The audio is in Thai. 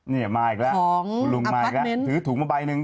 นี่มาอีกล่ะลุงมาอีกล่ะถือถุงมาใบนึง